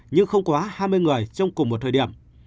nhưng không quá hai mươi người trong cùng một thời điểm